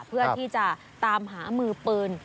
เพื่อที่จะตามหามือปืน